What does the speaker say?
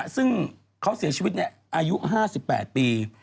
ซึ่งเขาเสียชีวิตอายุ๕๘ปี